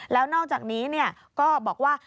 แล้วนอกจากนี้ก็บอกว่า